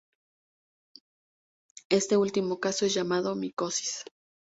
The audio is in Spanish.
Este último caso es llamado micosis.